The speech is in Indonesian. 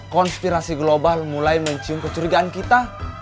konspirasi global mulai mencium kecurigaan kita